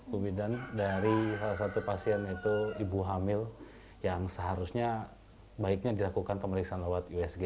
bu middan dari salah satu pasien itu ibu hamil yang seharusnya baiknya dilakukan pemeriksaan lewat isg